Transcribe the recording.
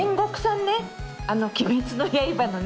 あの「鬼滅の刃」のね。